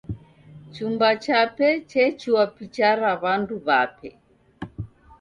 Chumba chape chechua picha ra w'andu w'ape.